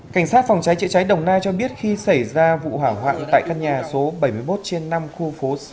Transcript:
cảnh sát phòng cháy chữa cháy đồng nai cho biết khi xảy ra vụ hỏa hoạn tại căn nhà số bảy mươi một trên năm khu phố sáu